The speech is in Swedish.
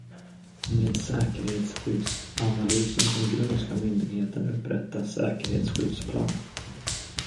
Med säkerhetsskyddsanalysen som grund ska myndigheten upprätta en säkerhetsskyddsplan.